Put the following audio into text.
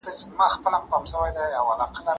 که خپلوان که اشنایان دي